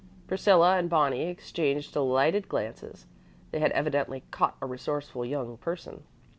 Priscilla and Bonnie exchanged delighted glances. They had evidently caught a resourceful young person.